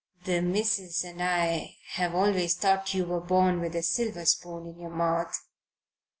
"The missus and I have always thought you were born with a silver spoon in your mouth."